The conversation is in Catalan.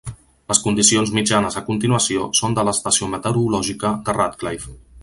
Les condicions mitjanes a continuació són de l'estació meteorològica de Radcliffe.